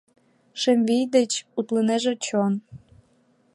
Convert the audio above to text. Шем вий деч утлынеже чон.